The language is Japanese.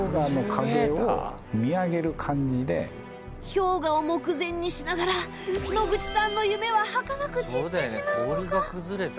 氷河を目前にしながら野口さんの夢ははかなく散ってしまうのか。